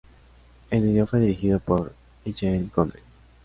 El vídeo fue dirigido por Michel Gondry.